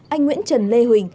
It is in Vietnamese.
anh nguyễn trần lê huỳnh